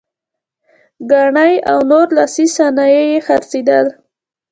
ګاڼې او نور لاسي صنایع یې خرڅېدل.